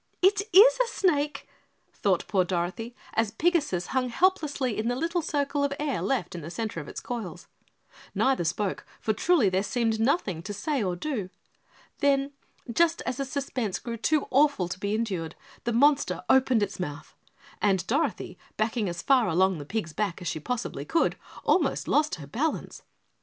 "It is a snake!" thought poor Dorothy, as Pigasus hung helplessly in the little circle of air left in the center of its coils. Neither spoke, for truly there seemed nothing to say or do. Then just as the suspense grew too awful to be endured, the monster opened its mouth and Dorothy, backing as far along the pig's back as she possibly could, almost lost her balance.